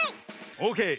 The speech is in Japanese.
オーケー。